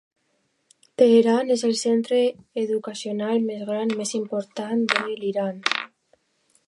Teheran és el centre educacional més gran i més important de l'Iran.